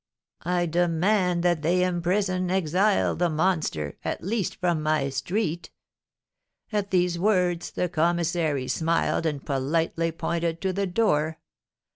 I demand that they imprison, exile the monster, at least from my street!' At these words the commissary smiled, and politely pointed to the door.